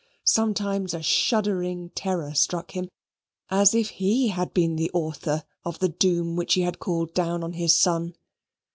Sometimes a shuddering terror struck him, as if he had been the author of the doom which he had called down on his son.